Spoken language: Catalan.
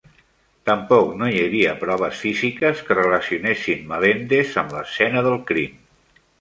Tampoc no hi havia proves físiques que relacionessin Melendez amb l'escena del crim.